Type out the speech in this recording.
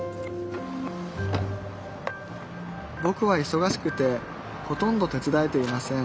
ぼくはいそがしくてほとんど手伝えていません